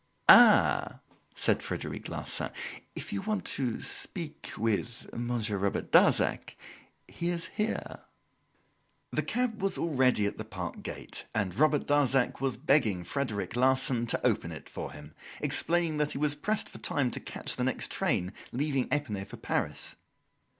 "Ah!" said Frederic Larsan, "if you want to speak with Monsieur Robert Darzac, he is here." The cab was already at the park gate and Robert Darzac was begging Frederic Larsan to open it for him, explaining that he was pressed for time to catch the next train leaving Epinay for Paris.